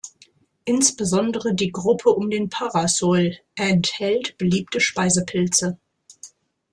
Insbesondere die Gruppe um den Parasol enthält beliebte Speisepilze.